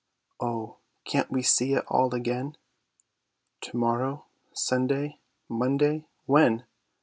Oh, can't we see it all again? To morrow! Sunday! Monday? When?